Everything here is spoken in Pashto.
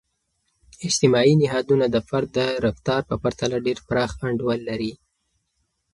اجتماعي نهادونه د فرد د رفتار په پرتله ډیر پراخ انډول لري.